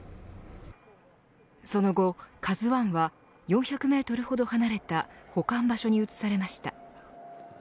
その後ＫＡＺＵ１は４００メートルほど離れた保管場所に移されました。